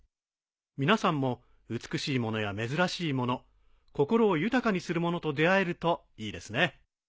皆さんも美しいものや珍しいもの心を豊かにするものと出合えるといいですね。